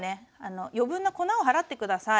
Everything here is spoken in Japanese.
余分な粉を払って下さい。